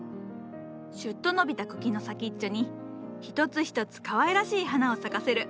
シュッと伸びた茎の先っちょに一つ一つかわいらしい花を咲かせる。